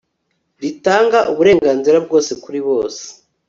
ritanga uburenganzira bwose kuri bose